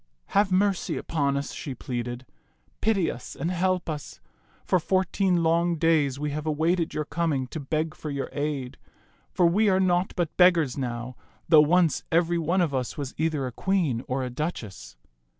" Have mercy upon us," she pleaded. " Pity us and help us. For fourteen long days we have awaited your coming to beg for your aid ; for we are naught but beggars now, though once every one of us was either a queen or a duchess."